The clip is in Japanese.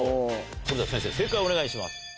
それでは先生正解をお願いします。